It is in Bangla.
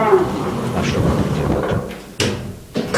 রাষ্ট্রপতির নির্বাচন